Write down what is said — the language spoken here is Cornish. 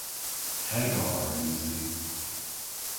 Hegar yns i.